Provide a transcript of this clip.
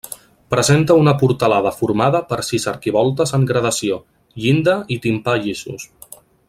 Presenta una portalada formada per sis arquivoltes en gradació, llinda i timpà llisos.